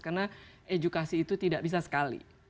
karena edukasi itu tidak bisa sekali